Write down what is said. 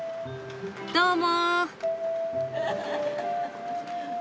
どうも。